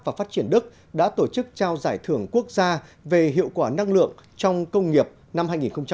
và phát triển đức đã tổ chức trao giải thưởng quốc gia về hiệu quả năng lượng trong công nghiệp năm hai nghìn hai mươi